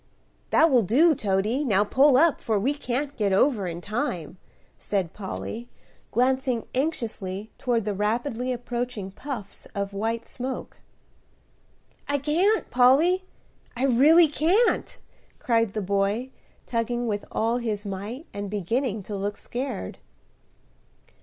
"That will do, Toady; now pull up, for we can't get over in time," said Polly, glancing anxiously toward the rapidly approaching puffs of white smoke. "I can't, Polly, I really can't," cried the boy, tugging with all his might, and beginning to look scared.